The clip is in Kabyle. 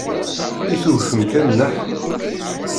I tewtem kan nneḥ?